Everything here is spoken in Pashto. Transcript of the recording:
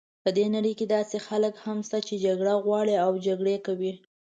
په دې نړۍ کې داسې خلک هم شته چې جګړه غواړي او جګړې کوي.